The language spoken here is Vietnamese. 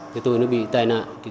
thì tôi nó bị tài nạn